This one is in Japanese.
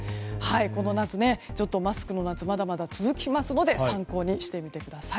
この夏、マスクの夏がまだまだ続きますので参考にしてみてください。